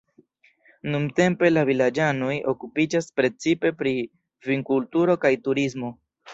Nuntempe la vilaĝanoj okupiĝas precipe pri vinkulturo kaj turismo.